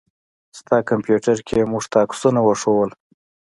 ستا کمپيوټر کې يې موږ ته عکسونه وښودله.